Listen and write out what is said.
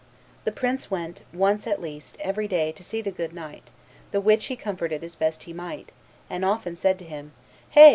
"The prince went, once at least, every day to see the good knight, the which he comforted as best he might, and often said to him, 'Hey!